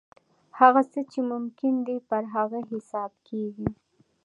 هغه څه چې ممکن دي پر هغه حساب کېږي.